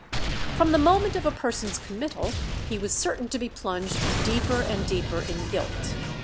From the moment of a person's committal he was certain to be plunged deeper and deeper in guilt.